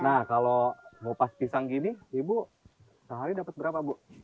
nah kalau ngupas pisang gini ibu sehari dapat berapa bu